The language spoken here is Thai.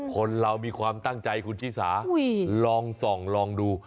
คนเรามีความตั้งใจคุณชิสาลองส่องลองดู